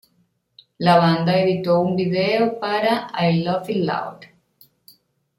La banda editó un video para "I Love It Loud".